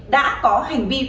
đã có hành vi viên hợp